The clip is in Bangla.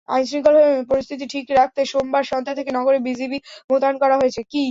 আইনশৃঙ্খলা পরিস্থিতি ঠিক রাখতে সোমবার সন্ধ্যা থেকে নগরে বিজিবি মোতায়েন করা হয়েছে।